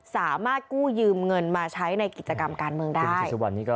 สามารถกู้ยืมเงินมาใช้ในกิจกรรมการเมืองได้